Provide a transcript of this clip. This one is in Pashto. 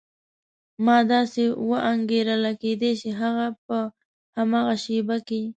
ما داسې وانګېرله کېدای شي هغه په هماغه شېبه کې.